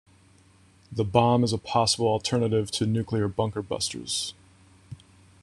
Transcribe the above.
The bomb is a possible alternative to nuclear bunker busters.